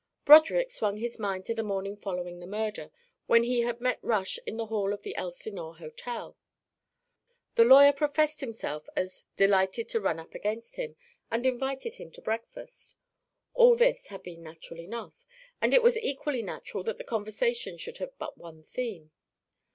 Broderick swung his mind to the morning following the murder, when he had met Rush in the hall of the Elsinore Hotel. The lawyer professed himself as delighted to "run up against him" and invited him to breakfast. All this had been natural enough, and it was equally natural that the conversation should have but one theme.